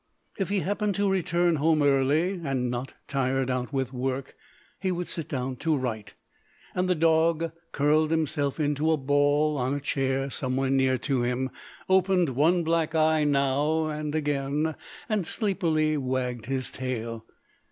If he happened to return home early, and not tired out with work, he would sit down to write, and the dog curled himself into a ball on a chair somewhere near to him, opened one black eye now and again, and sleepily wagged his tail.